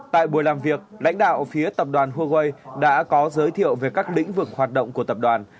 tại buổi làm việc lãnh đạo phía tập đoàn huawei đã có giới thiệu về các lĩnh vực hoạt động của tập đoàn